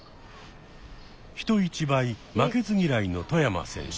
人一倍負けず嫌いの外山選手。